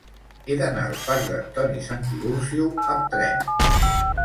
He d'anar al parc d'Antoni Santiburcio amb tren.